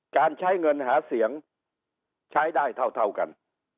การใช้เงินหาเสียงใช้ได้เท่ากัน